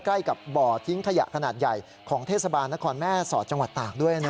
ใกล้กับบ่อทิ้งขยะขนาดใหญ่ของเทศบาลนครแม่สอดจังหวัดตากด้วยนะ